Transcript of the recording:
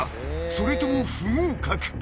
それとも不合格か？